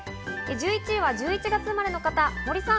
１１位は１１月生まれの方、森さん。